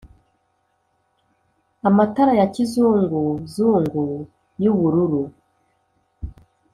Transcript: amatara ya kizunguzungu y’ubururu